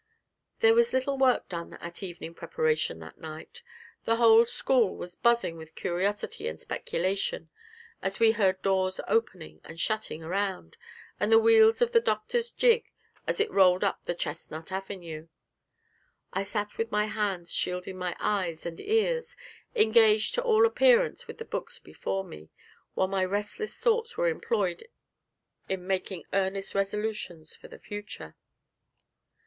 There was little work done at evening preparation that night; the whole school was buzzing with curiosity and speculation, as we heard doors opening and shutting around, and the wheels of the doctor's gig as it rolled up the chestnut avenue. I sat with my hands shielding my eyes and ears, engaged to all appearance with the books before me, while my restless thoughts were employed in making earnest resolutions for the future.